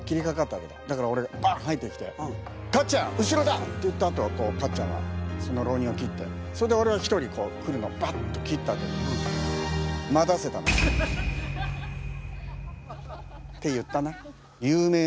だから俺がバンッ入ってきて「かっちゃん後ろだ！」って言ったあとかっちゃんはその浪人を斬ってそれで俺は一人来るのをバッと斬ったあとにって言ったな。